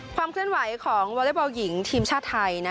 ความเคลื่อนไหวของวอเล็กบอลหญิงทีมชาติไทย